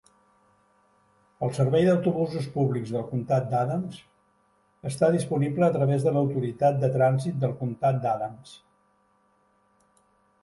El servei d'autobusos públics del comtat d'Adams està disponible a través de l'Autoritat de Trànsit del comtat d'Adams.